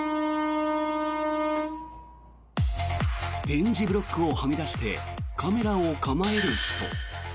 点字ブロックをはみ出してカメラを構える人。